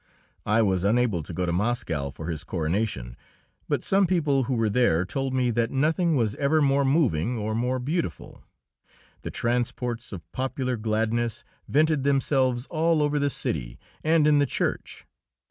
I was unable to go to Moscow for his coronation, but some people who were there told me that nothing was ever more moving or more beautiful. The transports of popular gladness vented themselves all over the city and in the church.